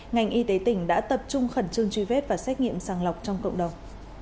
ngành y tế tỉnh đã tập trung khẩn trương truy vết và xét nghiệm sàng lọc trong cộng đồng